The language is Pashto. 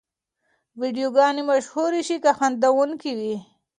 ویډیوګانې مشهورې شي که خندوونکې وي.